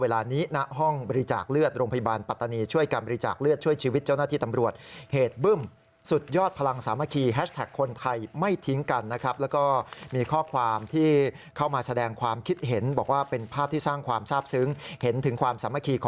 เวลานี้ณห้องบริจาคเลือดโรงพยาบาลปัตตานี